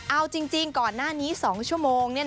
เอาจริงก่อนหน้านี้๒ชั่วโมง